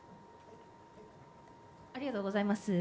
ありがとうございます。